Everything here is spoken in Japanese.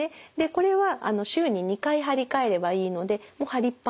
これは週に２回貼り替えればいいのでもう貼りっぱなしで。